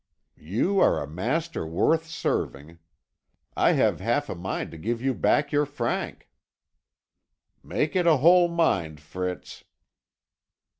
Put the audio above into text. "You are a master worth serving. I have half a mind to give you back your franc." "Make it a whole mind, Fritz."